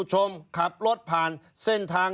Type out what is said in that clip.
ชีวิตกระมวลวิสิทธิ์สุภาณฑ์